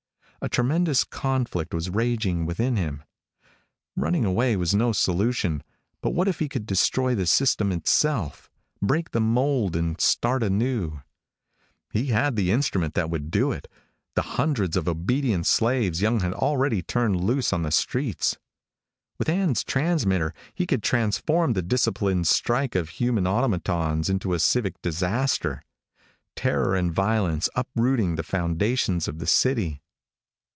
A tremendous conflict was raging within him. Running away was no solution, but what if he could destroy the system itself? Break the mold and start anew. He had the instrument that would do it, the hundreds of obedient slaves Young had already turned loose on the streets. With Ann's transmitter he could transform the disciplined strike of human automatons into a civic disaster. Terror and violence uprooting the foundations of the city.